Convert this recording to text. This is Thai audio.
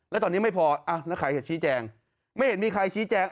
แล้วตอนนี้ไม่พอแล้วใครจะชี้แจงไม่เห็นมีใครชี้แจง